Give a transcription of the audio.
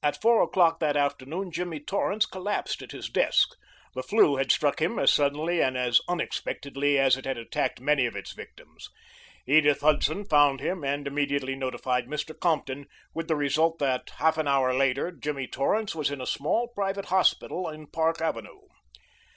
At four o'clock that afternoon Jimmy Torrance collapsed at his desk. The flu had struck him as suddenly and as unexpectedly as it had attacked many of its victims. Edith Hudson found him, and immediately notified Mr. Compton, with the result that half an hour later Jimmy Torrance was in a small private hospital in Park Avenue.